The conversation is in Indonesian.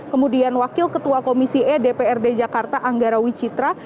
kemudian wakil ketua komisi e dprd jakarta anggara wicitra